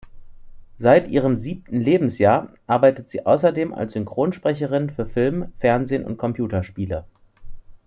Seit ihrem siebten Lebensjahr arbeitet sie außerdem als Synchronsprecherin für Film, Fernsehen und Computerspiele.